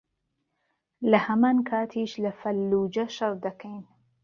لەهەمان کاتیش لە فەللوجە شەڕ دەکەین